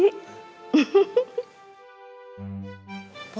tadi sawurnya teh bareng sama bibi